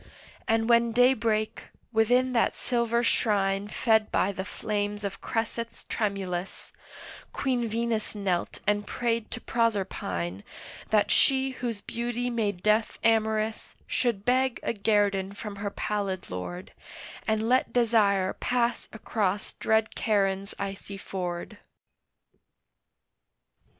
And when day brake, within that silver shrine Fed by the flames of cressets tremulous, Queen Venus knelt and prayed to Proserpine That she whose beauty made Death amorous Should beg a guerdon from her pallid Lord, And let Desire pass across dread Charon's icy ford.